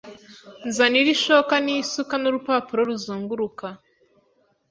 Nzanira ishoka nisuka Nurupapuro ruzunguruka